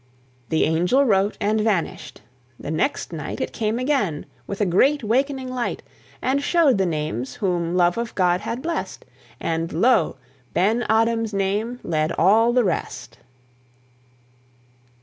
The angel wrote, and vanished. The next night It came again, with a great wakening light, And showed the names whom love of God had blessed; And, lo! Ben Adhem's name led all the rest.